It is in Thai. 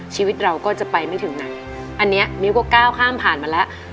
ชีวิตเราก็จะไปไม่ถึงไหนอันนี้มิ้วก็ก้าวข้ามผ่านมาแล้ว